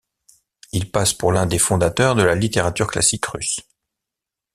Il passe pour l'un des fondateurs de la littérature classique russe.